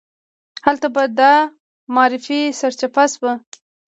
هلته به دا معرفي سرچپه شوه.